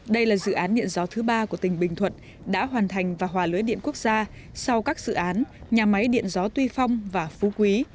đây là dự án điện gió thứ ba của tỉnh bình thuận đã hoàn thành và hòa lưới điện quốc gia sau các dự án nhà máy điện gió tuy phong và phú quý